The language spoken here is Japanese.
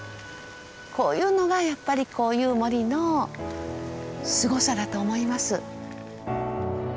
こういうのがやっぱりこういう森のすごさだと思います。